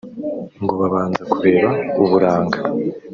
ngo babanza kureba uburanga